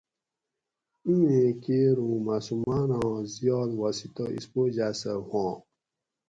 اِینیں کیر اُوں معصوماۤناں زیات واسطہ اِسپوجاۤ سہ ہواں